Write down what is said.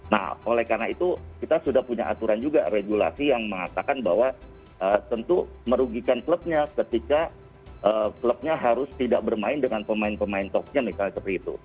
nah oleh karena itu kita sudah punya aturan juga regulasi yang mengatakan bahwa tentu merugikan klubnya ketika klubnya harus tidak bermain dengan pemain pemain topnya misalnya seperti itu